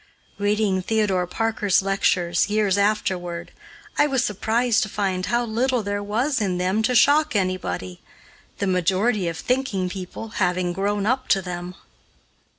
Reading Theodore Parker's lectures, years afterward, I was surprised to find how little there was in them to shock anybody the majority of thinking people having grown up to them.